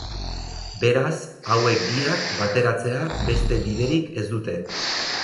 Beraz, hauek biak bateratzea beste biderik ez dute.